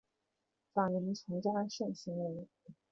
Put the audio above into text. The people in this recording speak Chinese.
早年从查慎行游。